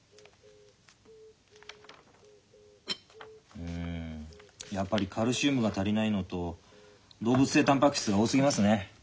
うんやっぱりカルシウムが足りないのと動物性たんぱく質が多すぎますね。